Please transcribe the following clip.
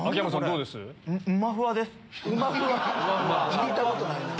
聞いたことないな。